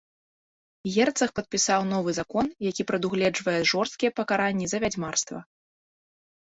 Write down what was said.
Герцаг падпісаў новы закон, які прадугледжвае жорсткія пакаранні за вядзьмарства.